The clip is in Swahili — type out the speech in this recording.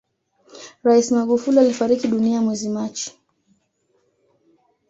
rais magufuli alifariki dunia mwezi machi